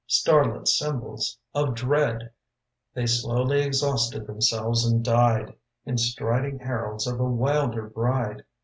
Starlit symbols of dread, They slowly exhausted themselves and died In striding heralds of a wilder bride.